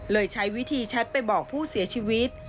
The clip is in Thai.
ใช้วิธีแชทไปบอกผู้เสียชีวิต